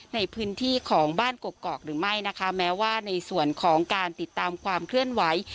ในพื้นที่ของบ้านกกอกหรือไม่นะคะแม้ว่าในส่วนของการติดตามความเคลื่อนไหว